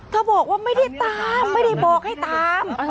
บอกว่าไม่ได้ตามไม่ได้บอกให้ตาม